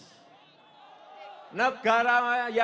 tidak ada negara maju dimanapun yang rakyatnya pesimis